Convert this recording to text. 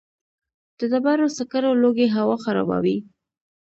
د ډبرو سکرو لوګی هوا خرابوي؟